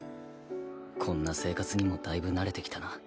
こんな生活にもだいぶ慣れてきたな